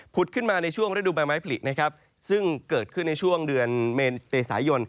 ขึ้นมาในช่วงฤดูใบไม้ผลินะครับซึ่งเกิดขึ้นในช่วงเดือนเมษายน